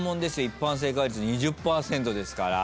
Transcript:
一般正解率２０％ですから。